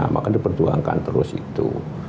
maka diperjuangkan terus itu